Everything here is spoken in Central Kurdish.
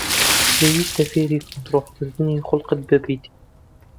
پێویستە فێری کۆنتڕۆڵکردنی خوڵقت ببیت.